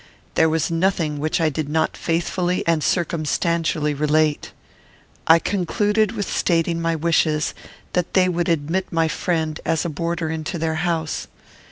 There was nothing which I did not faithfully and circumstantially relate. I concluded with stating my wishes that they would admit my friend as a boarder into their house.